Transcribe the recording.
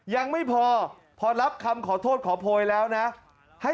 ยังไม่พอพอรับคำขอโทษขอโพยแล้วนะ